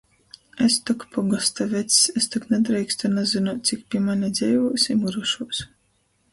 Es tok pogosta vecs, es tok nadreikstu nazynuot, cik pi mane dzeivūs i myrušūs!